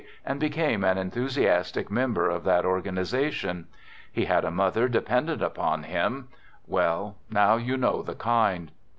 and became an enthusiastic member of that organization. He had a mother dependent upon him — well now you know the kind.